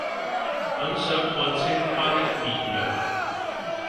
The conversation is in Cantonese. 很想看清他的面容